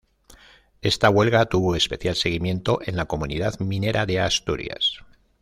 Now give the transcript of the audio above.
Esta huelga tuvo especial seguimiento en la comunidad minera de Asturias.